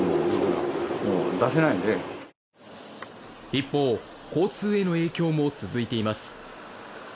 一方、交通への影響も続いています。